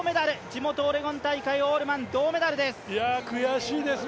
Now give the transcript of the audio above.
地元、オレゴン大会オールマン、銅メダルです。